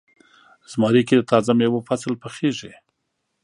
زمری کې د تازه میوو فصل پخیږي.